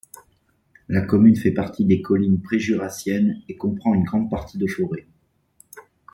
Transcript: La commune fait partie des collines pré-jurassiennes et comprend une grande partie de forêt.